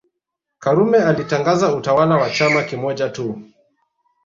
Karume alitangaza utawala wa chama kimoja tu